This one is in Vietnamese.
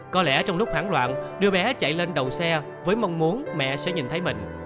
có lẽ trong lúc hoảng loạn đưa bé chạy lên đầu xe với mong muốn mẹ sẽ nhìn thấy mình